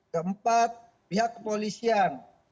keempat pihak kepolisian